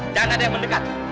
jangan ada yang mendekat